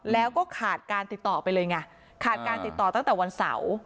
แล้วก็ขาดการติดต่อไปเลยไงขาดการติดต่อตั้งแต่วันเสาร์